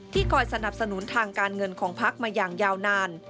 คอยสนับสนุนทางการเงินของพักมาอย่างยาวนาน